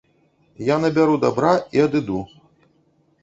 Я набяру дабра і адыду.